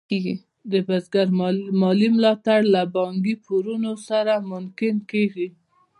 د بزګر مالي ملاتړ له بانکي پورونو سره ممکن کېږي.